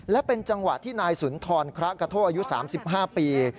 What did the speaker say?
และเป็นจังหวะที่นายสุนทรคระกระโทอายุ๓๕ปี